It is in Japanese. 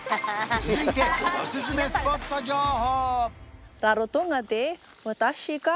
続いておすすめスポット情報！